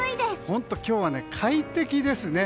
本当、今日は快適ですね。